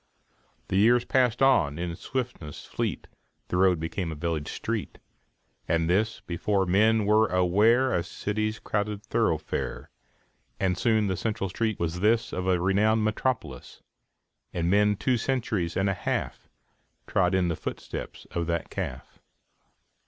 The years passed on in swiftness fleet, The road became a village street, And this, before men were aware, A cityŌĆÖs crowded thoroughfare; And soon the central street was this Of a renowned metropolis; And men two centuries and a half Trod in the footsteps of that calf.